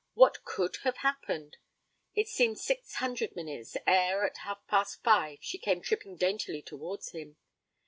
What could have happened? It seemed six hundred minutes, ere, at ten past five she came tripping daintily towards him.